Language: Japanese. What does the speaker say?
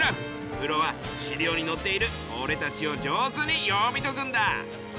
プロは資料にのっているおれたちを上手に読み解くんだ！